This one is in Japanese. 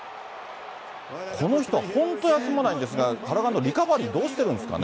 この人は本当に休まないんですが、体のリカバリーどうしてるんですかね。